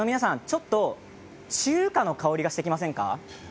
ちょっと中華の香りがしてきませんか？